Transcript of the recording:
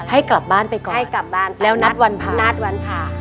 ให้กลับบ้านไปก่อนแล้วนัดวันพาให้กลับบ้านไปแล้วนัดวันพา